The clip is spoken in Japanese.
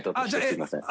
すみません。